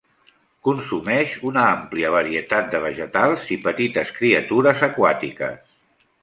Consumeix una àmplia varietat de vegetals i petites criatures aquàtiques.